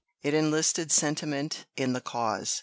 It enlisted sentiment in the cause.